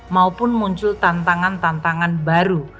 maupun muncul tantangan tantangan baru